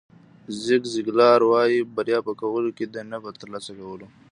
زیګ زیګلار وایي بریا په کولو کې ده نه په ترلاسه کولو.